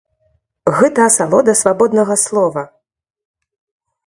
Гэта асалода свабоднага слова!